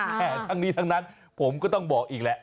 แต่ทั้งนี้ทั้งนั้นผมก็ต้องบอกอีกแหละ